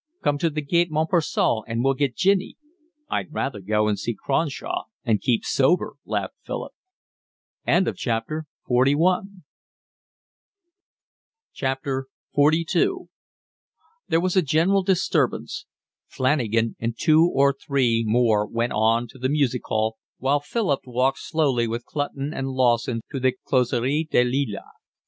"Come to the Gaite Montparnasse, and we'll get ginny." "I'd rather go and see Cronshaw and keep sober," laughed Philip. XLII There was a general disturbance. Flanagan and two or three more went on to the music hall, while Philip walked slowly with Clutton and Lawson to the Closerie des Lilas.